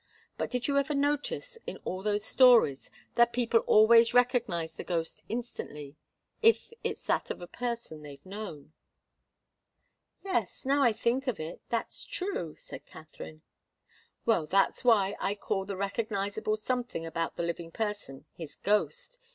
But did you ever notice, in all those stories, that people always recognize the ghost instantly if it's that of a person they've known?" "Yes. Now I think of it, that's true," said Katharine. "Well, that's why I call the recognizable something about the living person his ghost.